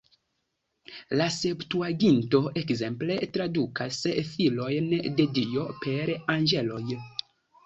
La Septuaginto, ekzemple, tradukas "filojn de Dio" per "anĝeloj".